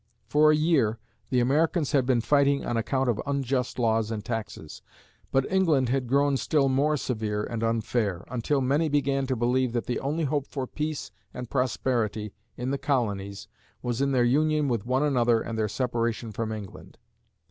For a year, the Americans had been fighting on account of unjust laws and taxes. But England had grown still more severe and unfair, until many began to believe that the only hope for peace and prosperity in the colonies was in their union with one another and their separation from England.